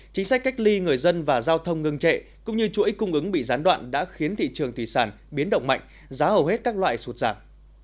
chính sách cách ly người dân và giao thông ngưng trệ cũng như chuỗi cung ứng bị gián đoạn đã khiến thị trường thủy sản biến động mạnh giá hầu hết các loại sụt giảm